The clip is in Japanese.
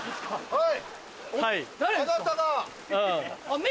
はい。